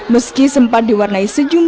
meski sempat diwarnai sejumlah